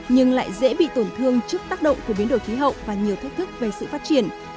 nhưng lại dễ bị tổn thương trước tác động của biến đổi khí hậu và nhiều thách thức về sự phát triển